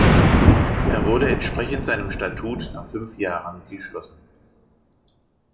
Er wurde entsprechend seinem Statut nach fünf Jahren geschlossen.